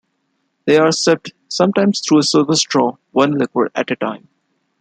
They are sipped, sometimes through a silver straw, one liqueur at a time.